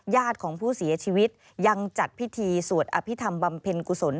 ญาติของผู้เสียชีวิตยังจัดพิธีสวดอภิษฐรรมบำเพ็ญกุศล